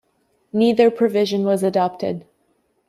Neither provision was adopted.